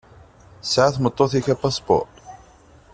Tesεa tmeṭṭut-ik apaspuṛ?